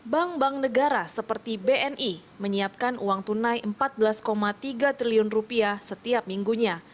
bank bank negara seperti bni menyiapkan uang tunai rp empat belas tiga triliun rupiah setiap minggunya